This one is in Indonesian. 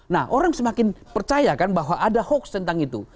mereka semakin percaya kan bahwa ada hoax tentang itu